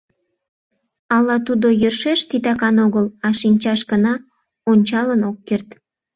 Ала тудо йӧршеш титакан огыл, а шинчашкына ончалын ок керт.